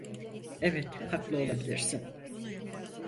Evet, haklı olabilirsin.